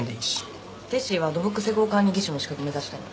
テッシーは土木施工管理技士の資格目指してんの。